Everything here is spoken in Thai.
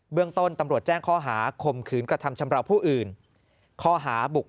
เรื่องต้นตำรวจแจ้งข้อหาคมขืนกระทำชำราวผู้อื่นข้อหาบุก